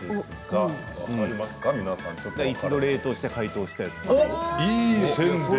一度冷凍して解凍したやつ？